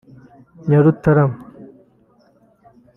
Nyarutarama